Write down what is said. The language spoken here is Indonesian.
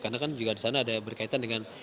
karena kan juga di sana ada berkaitan dengan